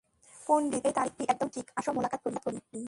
পন্ডিত, এই তারিখটি একদম ঠিক, - আসো মোলাকাত করি।